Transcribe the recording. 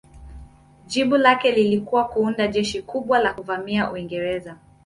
Jibu lake lilikuwa kuandaa jeshi kubwa la kuvamia Uingereza.